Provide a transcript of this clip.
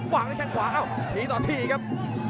วางด้วยแข้งขวาเอ้าทีต่อทีครับ